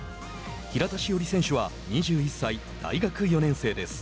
平田しおり選手は２１歳大学４年生です。